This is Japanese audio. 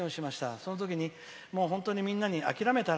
そのときに、もう本当にみんなに諦めたら？